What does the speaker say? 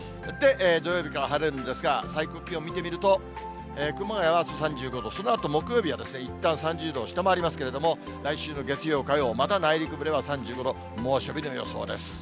土曜日から晴れるんですが、最高気温見てみると、熊谷あす３５度、そのあと、木曜日はいったん３０度を下回りますけれども、来週の月曜、火曜、また内陸部では３５度、猛暑日の予想です。